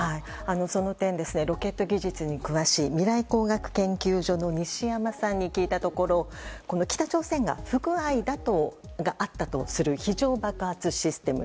その点、ロケット技術に詳しい未来工学研究所の西山さんに聞いたところ北朝鮮が不具合があったとする非常爆発システム。